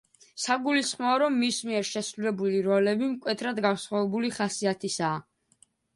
საგულისხმოა, რომ მის მიერ შესრულებული როლები მკვეთრად განსხვავებული ხასიათისაა.